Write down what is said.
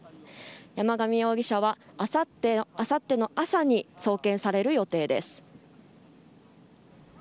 山上容疑者はあさっての朝に送検される予定です。